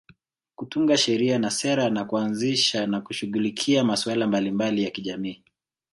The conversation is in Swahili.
Kutunga sheria na sera na kuanzisha na kushughulikia masuala mbalimbali ya kijamii